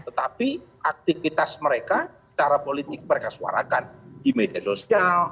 tetapi aktivitas mereka secara politik mereka suarakan di media sosial